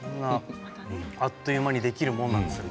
あっという間にできるもんなんですね